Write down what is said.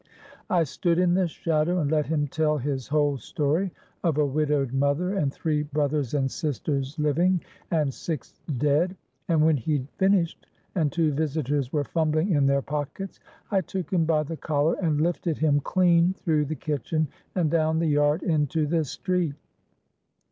I stood in the shadow and let him tell his whole story, of a widowed mother and three brothers and sisters living, and six dead; and when he'd finished, and two visitors were fumbling in their pockets, I took him by the collar and lifted him clean through the kitchen and down the yard into the street.